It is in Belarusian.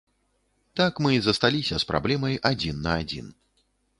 Так мы і засталіся з праблемай адзін на адзін.